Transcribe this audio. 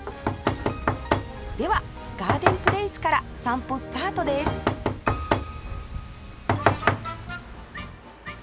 ではガーデンプレイスから散歩スタートです